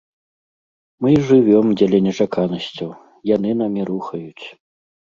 Мы і жывём дзеля нечаканасцяў, яны намі рухаюць.